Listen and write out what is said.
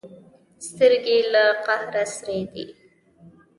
سترګې یې له قهره سرې دي.